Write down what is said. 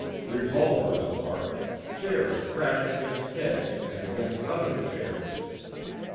Revolvers barked, chairs crashed against heads and against other chairs.